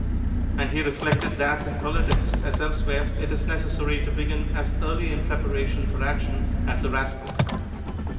And he reflected that in politics, as elsewhere, it is necessary to begin as early in preparation for action as the rascals.